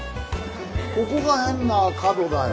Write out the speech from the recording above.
ここが変な角だよ。